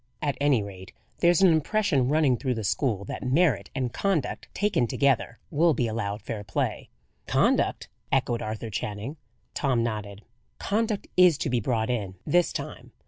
At any rate, there's an impression running through the school that merit and conduct, taken together, will be allowed fair play." "Conduct?" echoed Arthur Channing. Tom nodded: "Conduct is to be brought in, this time.